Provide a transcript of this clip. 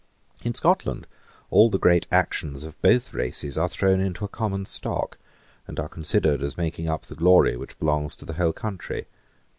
In Scotland all the great actions of both races are thrown into a common stock, and are considered as making up the glory which belongs to the whole country.